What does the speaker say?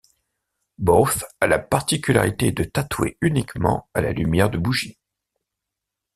Booth a la particularité de tatouer uniquement à la lumière de bougies...